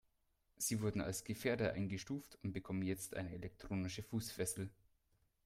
Sie wurden als Gefährder eingestuft und bekommen jetzt eine elektronische Fußfessel.